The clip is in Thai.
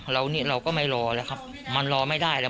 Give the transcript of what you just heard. เราก็ไม่รอแล้วครับมันรอไม่ได้แล้ว